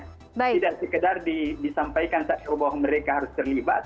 tidak sekedar disampaikan saja bahwa mereka harus terlibat